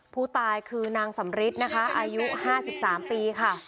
ผู้ตายคือนางสำริทนะคะอายุ๕๓ปีค่ะ